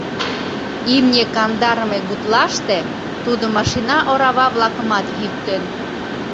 Имне кандарыме гутлаште тудо машина орава-влакымат «йӱктен».